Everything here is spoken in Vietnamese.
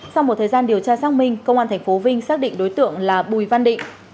sau một thời gian điều tra xác minh công an tp vinh xác định đối tượng là bùi văn định